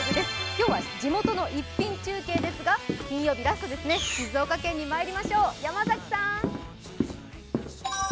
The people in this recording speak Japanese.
今日は地元の逸品中継ですが、金曜日、ラストですね、静岡県にまいりましょう。